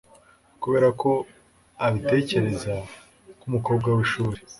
kubera ko abitekereza, nkumukobwa wishuri